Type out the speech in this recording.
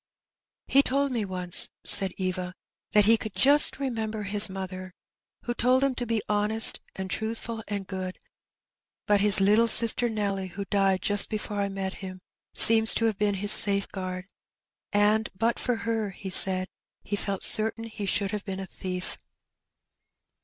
"He told me once/' said Eva, "that he could just remember his mother, who told him to be honesty and truthful, and good; but his little sister Nelly, who died just before I met him^ seems to have been his safeguard, and but for her he said he felt certain he should have been a thief.'